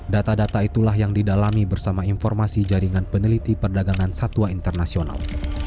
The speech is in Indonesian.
data data itulah yang didalami bersama informasi jaringan peneliti perdagangan satwa internasional